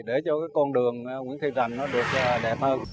để cho cái con đường nguyễn thị rành nó được đẹp hơn